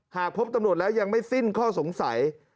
หากพบตำรวจแล้วยังไม่สิ้นข้อสงสัย